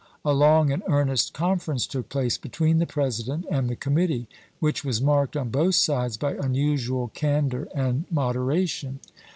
A long and earnest conference took place between the President and the Committee which was marked on both sides by unusual candor and mod eration.